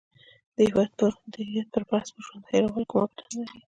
د هویت پر بحث کې ژوند هیرول کومه ګټه نه لري.